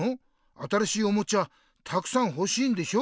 新しいおもちゃたくさんほしいんでしょ？